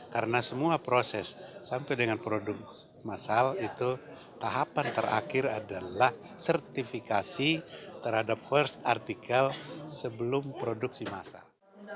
karena semua proses sampai dengan produk masal itu tahapan terakhir adalah sertifikasi terhadap first article sebelum produksi masal